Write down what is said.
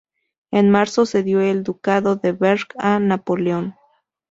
En marzo cedió el Ducado de Berg a Napoleón.